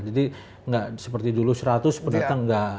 jadi nggak seperti dulu seratus pendatang nggak